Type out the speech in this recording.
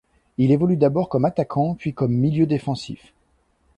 Il évolue d'abord comme attaquant puis comme milieu défensif.